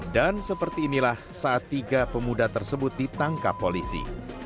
dan seperti inilah saat tiga pemuda tersebut ditangkap polisi